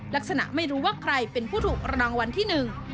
ลักษณะไม่รู้ว่าใครเป็นผู้ถูกรางวัลที่หนึ่ง